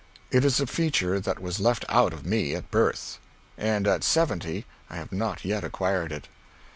It is a feature that was left out of me at birth. And, at seventy, I have not yet acquired it.